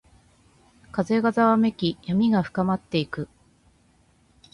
風がざわめき、闇が深まっていく。